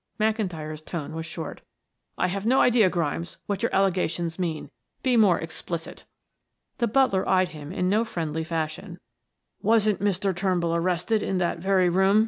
McIntyre's tone was short. "I have no idea, Grimes, what your allegations mean. Be more explicit." The butler eyed him in no friendly fashion. "Wasn't Mr. Turnbull arrested in that very room?"